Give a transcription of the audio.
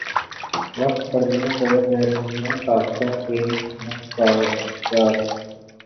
وقت پڑنے پر بیرونی طاقتوں کے مفادات